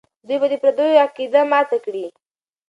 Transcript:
دوی به د پردیو عقیده ماته کړي.